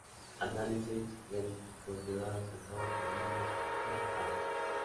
Análisis cladísticos llevados a cabo por Müller "et al.